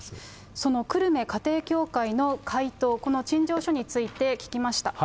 その久留米家庭教会の回答、この陳情書について聞きました。